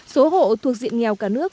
số hộ thuộc diện nghèo cả nước